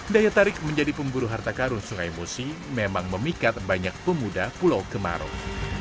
daya tarik menjadi pemburu harta karun sungai musi memang memikat banyak pemuda pulau kemarung